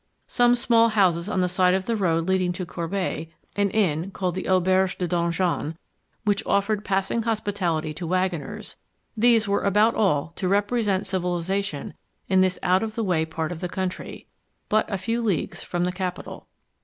Some small houses on the side of the road leading to Corbeil, an inn, called the "Auberge du Donjon," which offered passing hospitality to waggoners; these were about all to represent civilisation in this out of the way part of the country, but a few leagues from the capital.